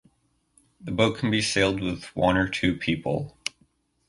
The boat can be sailed with one or two people.